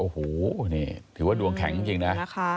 โอ้โหนี่ถือว่าดวงแข็งจริงนะ